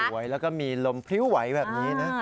แล้วก็มีลมพริ้วไหวแบบนี้นะ